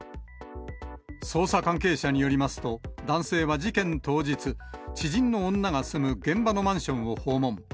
捜査関係者によりますと、男性は事件当日、知人の女が住む現場のマンションを訪問。